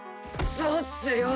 そうっすよ。